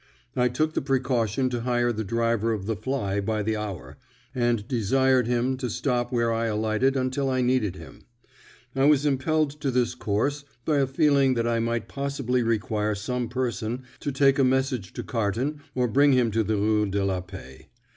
I took the precaution to hire the driver of the fly by the hour, and desired him to stop where I alighted until I needed him. I was impelled to this course by a feeling that I might possibly require some person to take a message to Carton or bring him to the Rue de la Paix.